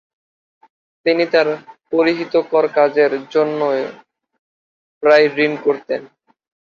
তিনি তাঁর পরহিতকর কাজের জন্য প্রায়ই ঋণ করতেন।